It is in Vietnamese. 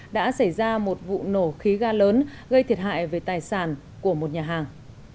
đã xảy ra một vụ nổ khí ga lớn gây thiệt hại về tài sản của một nhà hàng